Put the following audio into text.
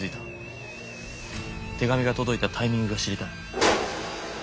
手紙が届いたタイミングが知りたい。